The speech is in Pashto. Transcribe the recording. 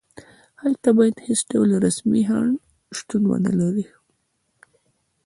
هلته باید هېڅ ډول رسمي خنډ شتون ونلري.